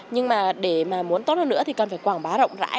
nhưng mà để mà muốn tốt hơn nữa thì cần phải quảng bá rộng rãi